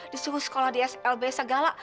disuruh sekolah di slb segala